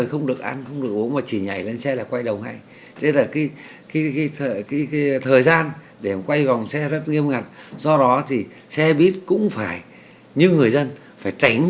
trong đường bộ diễn ra khá phổ biến